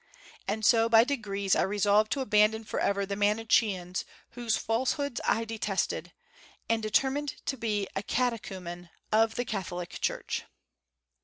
And so by degrees I resolved to abandon forever the Manicheans, whose falsehoods I detested, and determined to be a catechumen of the Catholic Church."